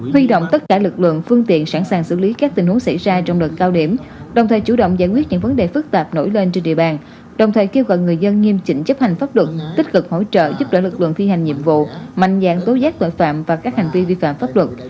huy động tất cả lực lượng phương tiện sẵn sàng xử lý các tình huống xảy ra trong đợt cao điểm đồng thời chủ động giải quyết những vấn đề phức tạp nổi lên trên địa bàn đồng thời kêu gọi người dân nghiêm chỉnh chấp hành pháp luật tích cực hỗ trợ giúp đỡ lực lượng thi hành nhiệm vụ mạnh dạng tố giác tội phạm và các hành vi vi phạm pháp luật